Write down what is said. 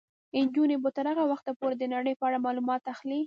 نجونې به تر هغه وخته پورې د نړۍ په اړه معلومات اخلي.